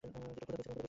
ক্ষুধা পেয়েছে তোমার?